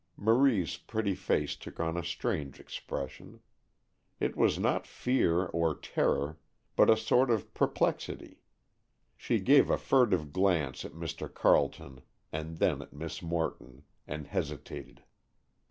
Marie's pretty face took on a strange expression. It was not fear or terror, but a sort of perplexity. She gave a furtive glance at Mr. Carleton and then at Miss Morton, and hesitated.